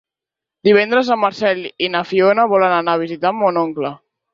Divendres en Marcel i na Fiona volen anar a visitar mon oncle.